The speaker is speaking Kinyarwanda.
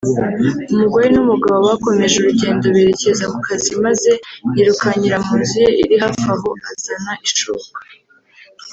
umugore n’umugabo bakomeje urugendo berekeza ku kazi maze yirukankira mu nzu ye iri hafi aho azana ishoka